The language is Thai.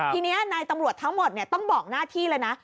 ทีนี้นายตำรวจทั้งหมดต้องบอกหน้าที่เลยนะ